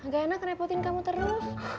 gak enak repotin kamu terus